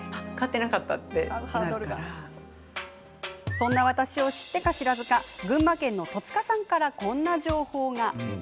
そんな私を知ってか知らずか群馬県の戸塚さんからこんな情報が。